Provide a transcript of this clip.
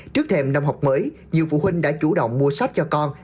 trước thêm năm học mới nhiều phụ huynh đã chủ động mua sách cho con